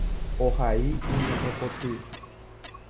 Ohai iñe'ẽpoty.